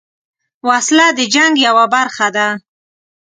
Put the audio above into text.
وسله د جنګ یوه برخه ده